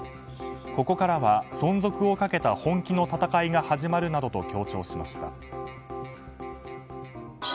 ここからは、存続をかけた本気の戦いが始まるなどと強調しました。